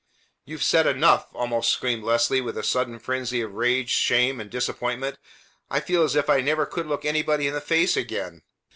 "You've said enough!" almost screamed Leslie with a sudden frenzy of rage, shame, and disappointment. "I feel as if I never could look anybody in the face again!"